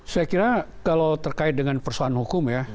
saya kira kalau terkait dengan persoalan hukum ya